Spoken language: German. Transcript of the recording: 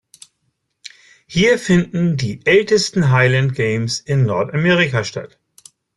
Hier finden die ältesten Highland Games in Nordamerika statt.